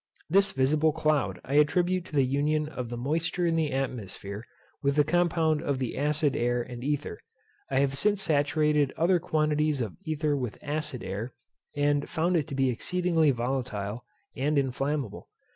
This visible cloud I attribute to the union of the moisture in the atmosphere with the compound of the acid air and ether. I have since saturated other quantities of ether with acid air, and found it to be exceedingly volatile, and inflammable.